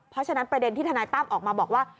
เพราะฉะนั้นประเด็นที่ทนายตั้มออกมาบอกว่า